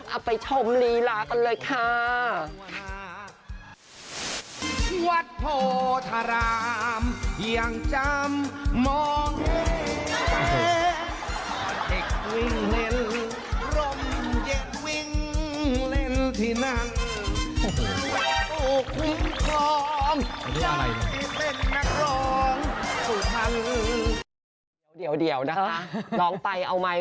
เอาไปชมลีลากันเลยค่ะ